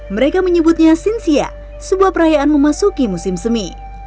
mereka menyebutnya sinsia sebuah perayaan memasuki musim semi